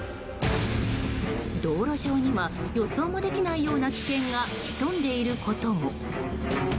道路上には予想もできないような危険が潜んでいることも。